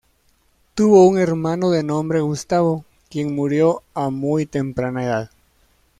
Tuvo un hermano de nombre Gustavo, quien murió a muy temprana edad.